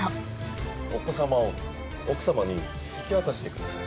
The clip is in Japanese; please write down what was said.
お子様を奥様に引き渡してください。